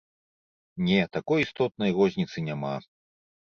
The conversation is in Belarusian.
Не, такой істотнай розніцы няма.